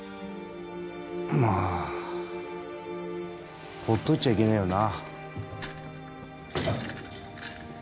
まあほっといちゃいけねえよな